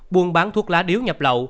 buôn bán thuốc lá điếu nhập lậu